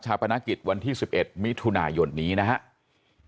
พนักกิจวันที่๑๑มิถุนายนนี้นะครับ